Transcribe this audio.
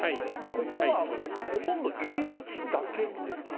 ここはほとんど入り口だけですか？